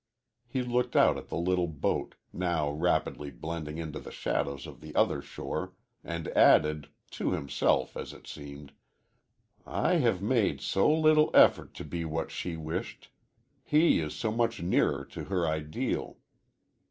He looked out at the little boat, now rapidly blending into the shadows of the other shore, and added to himself, as it seemed "I have made so little effort to be what she wished. He is so much nearer to her ideal."